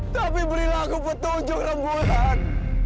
tapi berilah aku petunjuk rembulan